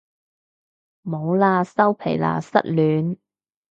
冇喇收皮喇失戀